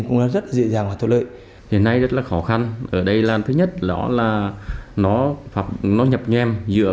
cũng rất dễ dàng và thuận lợi hiện nay rất là khó khăn ở đây là thứ nhất nó nhập nhem giữa